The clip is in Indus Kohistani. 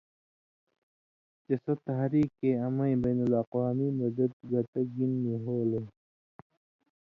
چے سو تحریکے امَیں بین الاقوامی مدد گت گِن نی ہولوئیں